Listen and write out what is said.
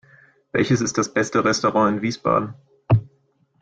Welches ist das beste Restaurant in Wiesbaden?